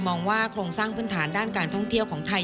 ว่าโครงสร้างพื้นฐานด้านการท่องเที่ยวของไทย